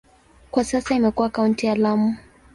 Kwa sasa imekuwa kaunti ya Lamu.